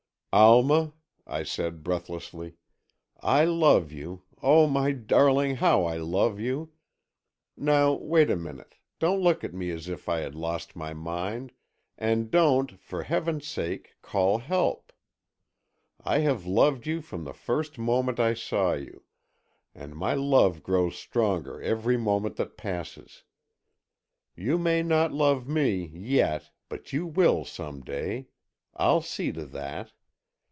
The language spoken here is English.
"Alma," I said, breathlessly, "I love you—oh, my darling, how I love you! Now, wait a minute, don't look at me as if I had lost my mind, and don't, for Heaven's sake, call help! I have loved you from the first moment I saw you, and my love grows stronger every moment that passes. You may not love me—yet—but you will some day. I'll see to that.